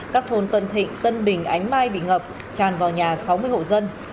các thôn tân thịnh tân bình ánh mai bị ngập tràn vào nhà sáu mươi hộ dân